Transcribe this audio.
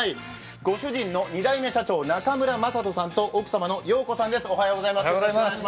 ご主人の２代目社長、中村将人さんと奥様の陽子さんです。